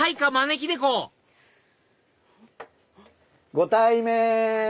ご対面！